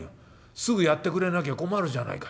すぐやってくれなきゃ困るじゃないか。